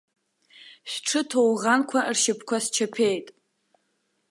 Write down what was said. Шәҽы ҭоуӷанқәа ршьапқәа счаԥеит.